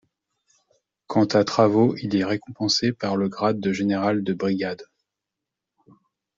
Quant à Travot, il est récompensé par le grade de général de brigade.